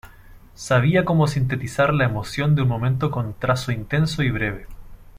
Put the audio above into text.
Sabía como sintetizar la emoción de un momento con trazo intenso y breve.